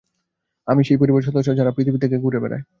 আমি সেই পরিবারের সদস্য, যারা পৃথিবী ঘুরে বেড়ায়।